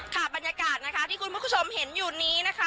ค่ะบรรยากาศนะคะที่คุณผู้ชมเห็นอยู่นี้นะคะ